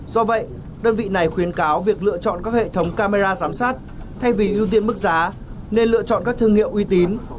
do vậy đơn vị này khuyến cáo việc lựa chọn các hệ thống camera giám sát thay vì ưu tiên mức giá nên lựa chọn các thương hiệu uy tín